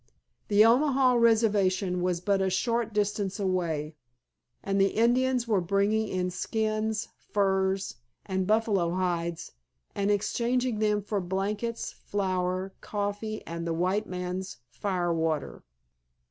The Omaha Reservation was but a short distance away, and the Indians were bringing in skins, furs, and buffalo hides and exchanging them for blankets, flour, coffee, and the white man's "fire water."